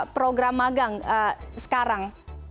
program magang sekarang